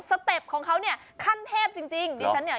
เต็ปของเขาเนี่ยขั้นเทพจริงจริงดิฉันเนี่ย